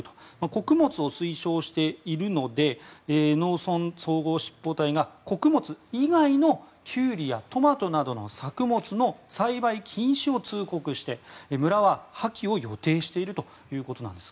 穀物を推奨しているので農村総合執法隊が穀物以外のキュウリやトマトなどの作物の栽培禁止を通告して村は破棄を予定しているということなんです。